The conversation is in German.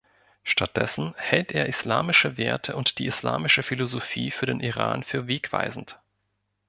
Stattdessen hält er islamische Werte und die islamische Philosophie für den Iran für wegweisend.